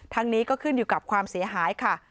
นี้ก็ขึ้นอยู่กับความเสียหายค่ะ